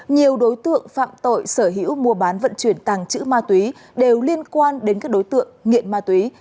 nhiều đối tượng phạm tội sở hữu mua bán vận chuyển tàng chữ ma túy đều liên quan đến các đối tượng nghiện ma túy